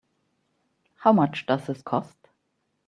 How much does this cost?